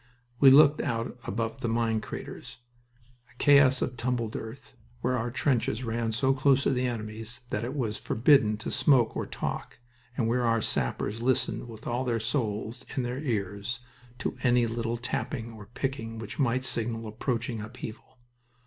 We looked out above the mine craters, a chaos of tumbled earth, where our trenches ran so close to the enemy's that it was forbidden to smoke or talk, and where our sappers listened with all their souls in their ears to any little tapping or picking which might signal approaching upheaval.